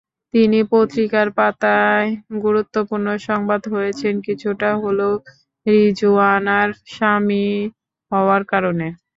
তিনি পত্রিকার পাতায় গুরুত্বপূর্ণ সংবাদ হয়েছেন কিছুটা হলেও রিজওয়ানার স্বামী হওয়ার কারণে।